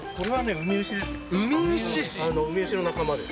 ウミウシの仲間です。